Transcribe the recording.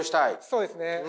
そうですね。